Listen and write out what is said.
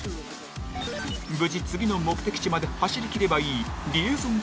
無事、次の目的地まで走り切ればいいリエゾン